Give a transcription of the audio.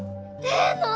ええの！？